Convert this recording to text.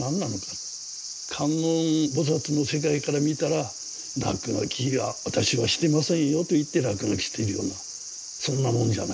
観音菩薩の世界から見たら「落書きは私はしてませんよ」と言って落書きしているようなそんなもんじゃないかと。